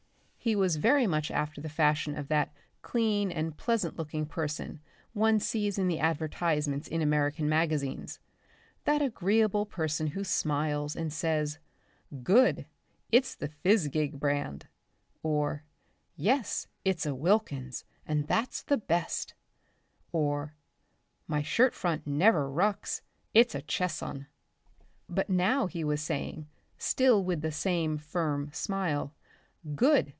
He was very much after the fashion of that clean and pleasant looking person one sees in the advertisements in American magazines, that agreeable person who smiles and says, "Good, it's the Fizgig Brand," or "Yes, it's a Wilkins, and that's the Best," or "My shirt front never rucks; it's a Chesson." But now he was saying, still with the same firm smile, "Good.